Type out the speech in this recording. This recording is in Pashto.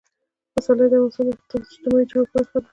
پسرلی د افغانستان د اجتماعي جوړښت برخه ده.